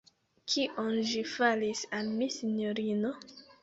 Kion ĝi faris al mi, sinjorino?